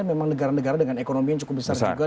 dan negara negara dengan ekonomi yang cukup besar juga